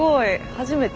初めて？